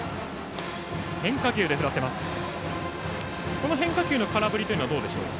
この変化球の空振りはどうでしょう？